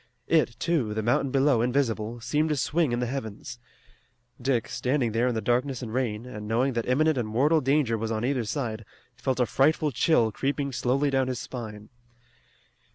It, too, the mountain below invisible, seemed to swing in the heavens. Dick, standing there in the darkness and rain, and knowing that imminent and mortal danger was on either side, felt a frightful chill creeping slowly down his spine.